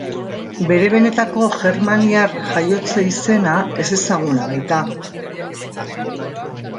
Bere benetako germaniar jaiotze izena ezezaguna baita.